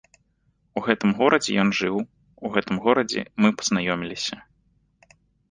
У гэтым горадзе ён жыў, у гэтым горадзе мы пазнаёміліся.